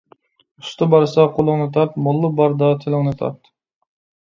ئۇستا بارسا قولۇڭنى تارت، موللا باردا تىلىڭنى تارت.